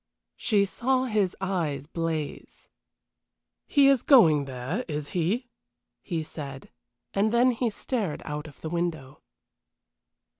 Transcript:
She saw his eyes blaze. "He is going there, is he?" he said, and then he stared out of the window.